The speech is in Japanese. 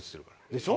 でしょ？